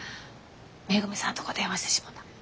めぐみさんとこ電話してしもた。